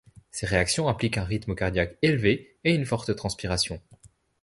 Ces réactions impliquent un rythme cardiaque élevé et une forte transpiration.